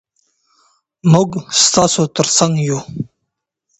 موږ ستاسو تر څنګ یو.